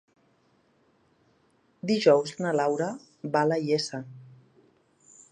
Dijous na Laura va a la Iessa.